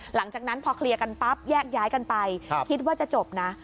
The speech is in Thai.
หลังจากนั้นพอเคลียร์กันปั๊บแยกย้ายกันไปคิดว่าจะจบนะ